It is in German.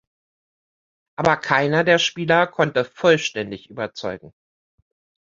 Aber keiner der Spieler konnte vollständig überzeugen.